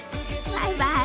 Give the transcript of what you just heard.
バイバイ。